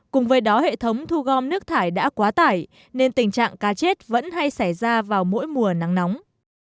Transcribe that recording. cùng với đó hệ thống thu gom nước thải đã quá tải nên tình trạng cá chết vẫn hay xảy ra vào mỗi mùa nắng nóng